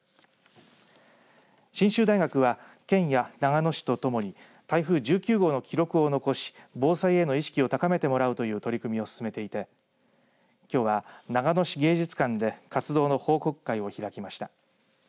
信州大学は、県や長野市とともに台風１９号の記録を残し防災への意識を高めてもらうという取り組みを進めていてきょうは長野市芸術館で活動の報告会を開きました。